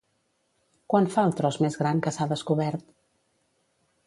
Quant fa el tros més gran que s'ha descobert?